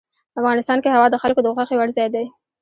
افغانستان کې هوا د خلکو د خوښې وړ ځای دی.